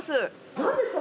何ですか？